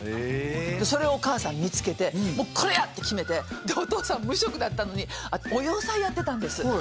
へえそれをお母さん見つけてこれや！って決めてお父さん無職だったのにお洋裁やってたんです